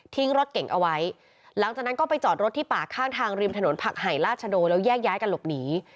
รถเก่งเอาไว้หลังจากนั้นก็ไปจอดรถที่ป่าข้างทางริมถนนผักไห่ราชโดแล้วแยกย้ายกันหลบหนี